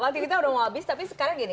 waktu kita udah mau habis tapi sekarang gini